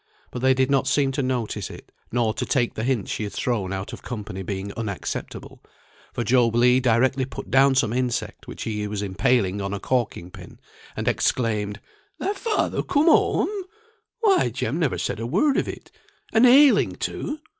But they did not seem to notice it, nor to take the hint she had thrown out of company being unacceptable; for Job Legh directly put down some insect, which he was impaling on a corking pin, and exclaimed, "Thy father come home! Why, Jem never said a word of it! And ailing too!